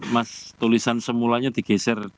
mas tulisan semulanya digeser